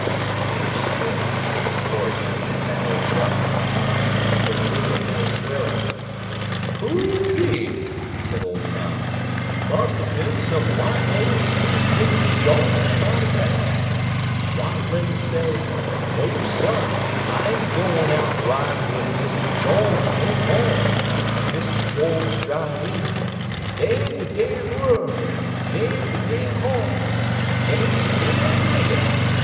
George swore, and then swore again at the fat old darkey, Tom, for giggling at his swearing. "Hoopee!" said old Tom. "Mus' been some white lady use Mist' Jawge mighty bad! White lady say, 'No, suh, I ain' go'n out ridin' 'ith Mist' Jawge no mo'!' Mist' Jawge drive in. 'Dam de dam worl'! Dam de dam hoss! Dam de dam nigga'!